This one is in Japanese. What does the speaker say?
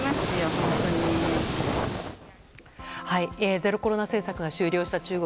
ゼロコロナ政策が終了した中国。